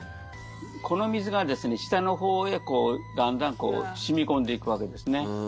この水が、下のほうへだんだん染み込んでいくわけですね。